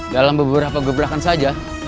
dalam beberapa gebrakan saja